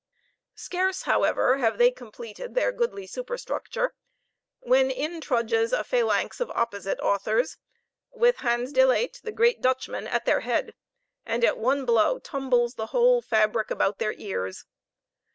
Scarce, however, have they completed their goodly superstructure when in trudges a phalanx of opposite authors with Hans de Laet, the great Dutchman, at their head, and at one blow tumbles the whole fabric about their ears.